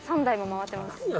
３台も回ってます。